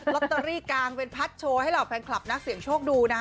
ลอตเตอรี่กลางเป็นพัดโชว์ให้เหล่าแฟนคลับนักเสี่ยงโชคดูนะฮะ